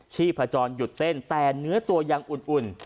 ชีพจรหยุดเต้นแต่เนื้อตัวยังอุ่น